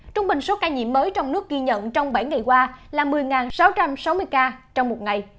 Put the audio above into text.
trung bình số ca nhiễm mới trong nước ghi nhận trong bảy ngày qua là một mươi sáu trăm sáu mươi ca trong một ngày